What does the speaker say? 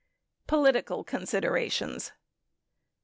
Political considerations.